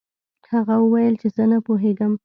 هغه وویل چې زه نه پوهیږم.